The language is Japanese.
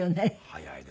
早いですね。